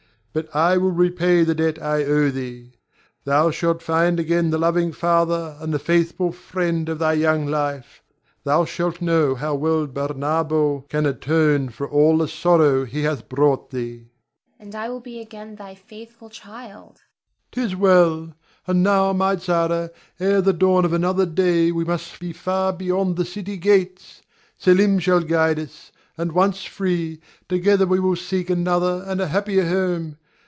But I will repay the debt I owe thee. Thou shalt find again the loving father and the faithful friend of thy young life. Thou shalt know how well Bernardo can atone for all the sorrow he hath brought thee. Zara. And I will be again thy faithful child. Ber. 'Tis well; and now, my Zara, ere the dawn of another day we must be far beyond the city gates. Selim shall guide us, and once free, together we will seek another and a happier home.